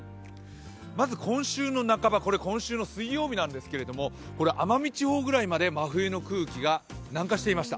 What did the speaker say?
まず今週の半ば、水曜日なんですけれども、奄美地方ぐらいまで、真冬の空気が南下していました。